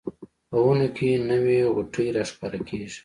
په ونو کې نوې غوټۍ راښکاره کیږي